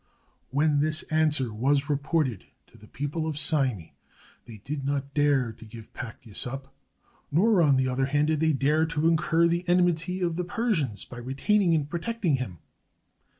When this answer was reported to the people of Cyme they did not dare to give Pactyas up, nor, on the other hand, did they dare to incur the enmity of the Persians by retaining and protecting him.